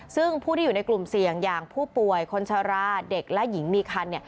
ซึ่งผู้ที่อยู่ในกลุ่มเสี่ยงอย่างผู้ป่วยคนชะลาเด็กและหญิงมีคัน